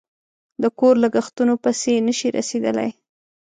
د کور لگښتونو پسې نشي رسېدلی